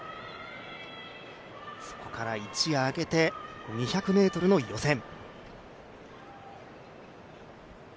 そこから一夜明けて２００ｍの予選。